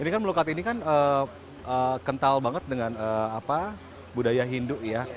ini kan melukat ini kan kental banget dengan budaya hindu ya